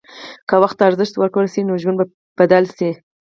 که وخت ته ارزښت ورکړل شي، نو ژوند به بدل شي.